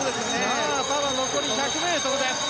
ただ、残り１００ｍです。